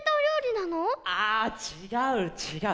ああちがうちがう。